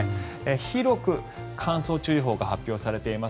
広く乾燥注意報が発表されています。